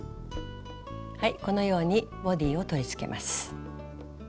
このようにボディーを取りつけます。